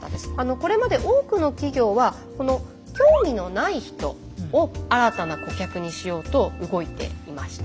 これまで多くの企業はこの興味のない人を新たな顧客にしようと動いていました。